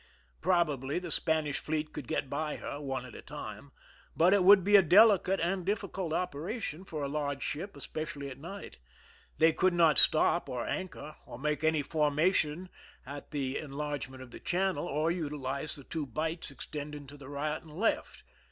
Probably the Spanish fleet could get by her, one at a time ; but it would be a delicate and difficult operation for a large ship, especially at night. They could not stop or anchor, or make any formation at the en largement of the channel, or utilize the two bights extending to the right and left.